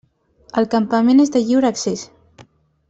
El campament és de lliure accés.